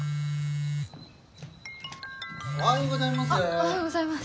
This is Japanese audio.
おはようございます。